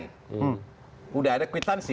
sudah ada kwitansi